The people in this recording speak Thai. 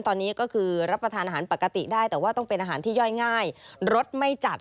ตอนนี้ก็คือรับประทานอาหารปกติได้แต่ว่าต้องเป็นอาหารที่ย่อยง่ายรสไม่จัด